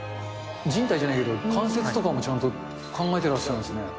人体じゃないけど、関節とかもちゃんと考えてらっしゃるんですね。